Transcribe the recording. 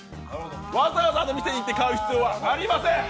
わざわざ店に行って買う必要はございません。